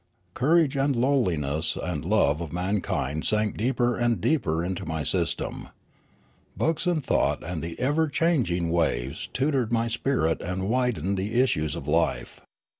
Courage and lowliness and love of mankind sank deeper and deeper into my system. Books and thought and the ever changeful waves tutored my spirit and widened the issues of life.